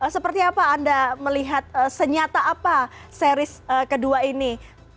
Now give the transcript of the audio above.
seperti apa anda melihat senyata apa series kedua ini